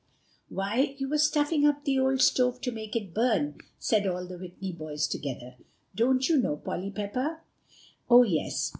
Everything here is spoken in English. "Why, you were stuffing up the old stove to make it burn," said all the Whitney boys together. "Don't you know, Polly Pepper?" "Oh, yes!